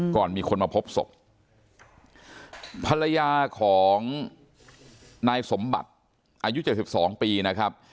ก่อนมีคนมาพบศพภรรยาของนายสมบัติอายุ๗๒ปีนะครับ